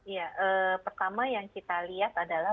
ya pertama yang kita lihat adalah